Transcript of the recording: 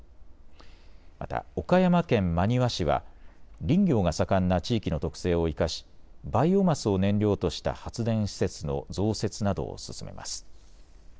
また岡山県真庭市は林業が盛んな地域の特性を生かしバイオマスを燃料とした発電施設の増設などを進めます。